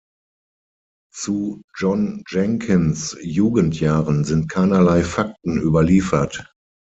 Zu John Jenkins’ Jugendjahren sind keinerlei Fakten überliefert.